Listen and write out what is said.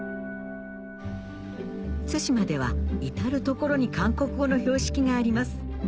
対馬では至る所に韓国語の標識があります